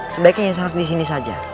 sebaiknya syarat di sini saja